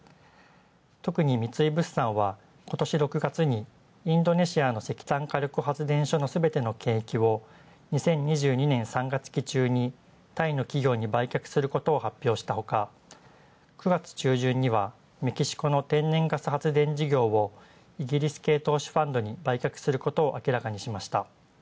特に三井物産は今年６月にインドネシアの石炭火力所のすべての景気を２０２２年３月期にタイにすべて売却することを発表したほか、９月中旬にはメキシコの天然ガス火力発電事業をイギリス系投資ファンドに売ることを明らかにしました。